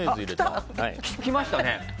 きましたね。